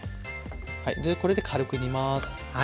でこれで軽く煮ます。